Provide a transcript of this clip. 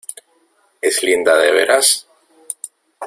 ¿ es linda de veras?